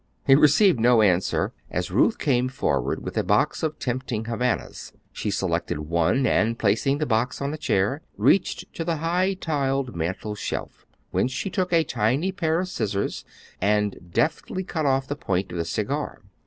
He received no answer as Ruth came forward with a box of tempting Havanas. She selected one, and placing the box on a chair, reached to the high tiled mantel shelf, whence she took a tiny pair of scissors and deftly cut off the point of the cigar.